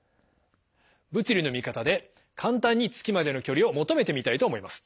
物理のミカタで簡単に月までの距離を求めてみたいと思います。